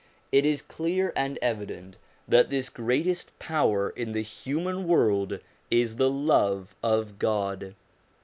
It is clear and evident that this greatest power in the human world is the love of God.